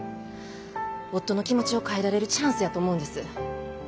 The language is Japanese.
夫の気持ちを変えられるチャンスやと思うんです。